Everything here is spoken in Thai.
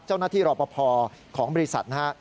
เจ้าหน้าที่รอปภของบริษัทนะฮะ